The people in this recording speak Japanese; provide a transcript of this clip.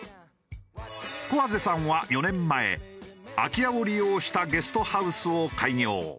コアゼさんは４年前空き家を利用したゲストハウスを開業。